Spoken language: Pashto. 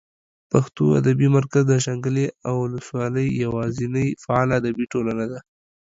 پښتو ادبي مرکز د شانګلې اولس والۍ یواځینۍ فعاله ادبي ټولنه ده